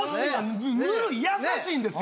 ぬるい優しいんですよ。